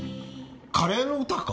カレーの歌か？